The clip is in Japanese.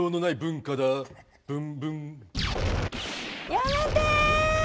やめて！